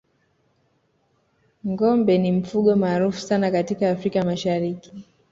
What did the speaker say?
ngombe ni mfugo maarufu sana katika afrika mashariki